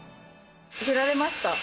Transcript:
振られました。